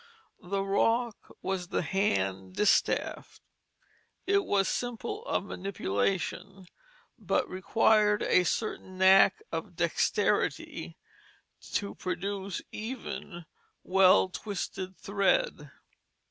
The rock was the hand distaff. It was simple of manipulation, but required a certain knack of dexterity to produce even well twisted thread.